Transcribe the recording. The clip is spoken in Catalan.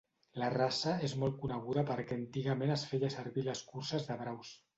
La raça és molt coneguda perquè antigament es feia servir a les curses de braus.